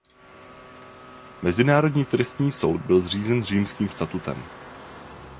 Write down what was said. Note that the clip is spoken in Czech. Mezinárodní trestní soud byl zřízen Římským statutem.